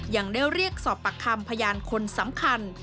ยังได้เรียกสอบปากคำพยานคนสำคัญ